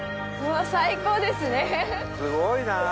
すごいなあ。